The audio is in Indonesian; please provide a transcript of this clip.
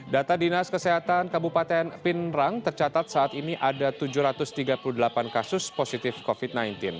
data dinas kesehatan kabupaten pinrang tercatat saat ini ada tujuh ratus tiga puluh delapan kasus positif covid sembilan belas